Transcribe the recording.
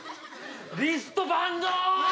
リストバンド！